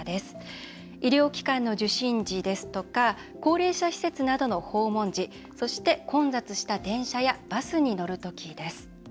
医療機関の受診時ですとか高齢者施設などの訪問時混雑した電車やバスに乗るときです。